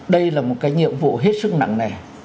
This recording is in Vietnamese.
đây là một cái nhiệm vụ hết sức nặng nề